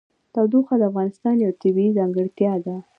تودوخه د افغانستان یوه طبیعي ځانګړتیا ده.